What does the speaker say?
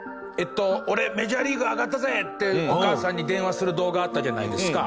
「俺メジャーリーグ上がったぜ」ってお母さんに電話する動画あったじゃないですか。